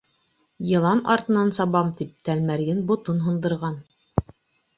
Йылан артынан сабам тип, тәлмәрйен ботон һындырған.